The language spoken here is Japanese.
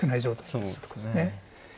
そうですね。